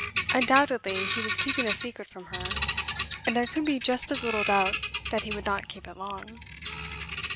Undoubtedly he was keeping a secret from her, and there could be just as little doubt that he would not keep it long.